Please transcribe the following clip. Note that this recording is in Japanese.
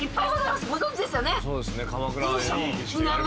そうですね鎌倉はね